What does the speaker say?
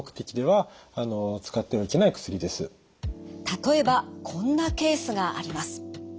例えばこんなケースがあります。